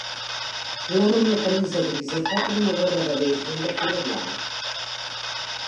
L'home amb la camisa grisa porta un gorra de beisbol de color blau.